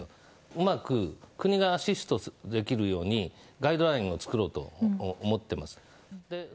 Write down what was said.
うまく国がアシストできるようにガイドラインを作ろうと思っています。